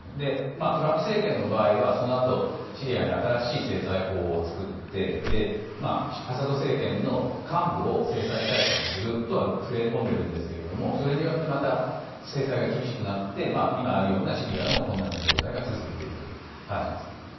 トランプ政権の場合、そのあとシリアに新しい制裁法を作ってアサド政権の幹部を制裁対象にするとは触れ込んでいるんですがそれによってまた制裁が厳しくなって今あるようなシリアの状態が続いている感じですね。